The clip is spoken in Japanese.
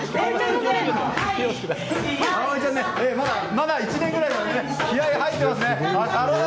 まだ１年ぐらいなんで気合が入ってますね。